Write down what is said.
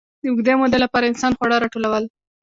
د اوږدې مودې لپاره انسان خواړه راټولول.